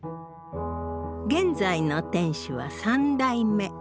現在の店主は三代目。